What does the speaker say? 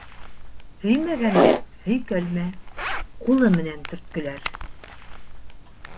Һөймәгәнгә һөйкәлмә: ҡулы менән төрткөләр.